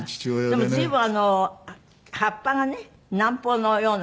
でも随分葉っぱがね南方のような。